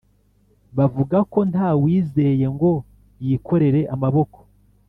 bavuga ko nta wizeye ngo yikorere amaboko